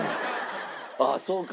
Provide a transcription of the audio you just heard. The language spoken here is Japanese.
ああそうか